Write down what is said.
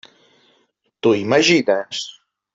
T'ho imagines?